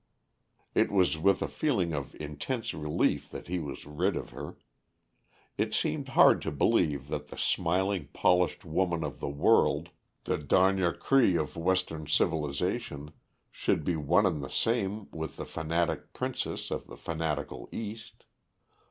It was with a feeling of intense relief that he was rid of her. It seemed hard to believe that the smiling polished woman of the world, the dernière cri of Western civilization, should be one and the same with the fanatic princess of the fanatical East.